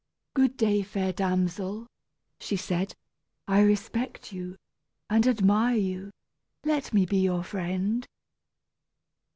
"Good day, fair damsel," she said. "I respect you and admire you let me be your friend."